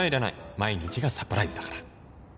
毎日がサプライズだから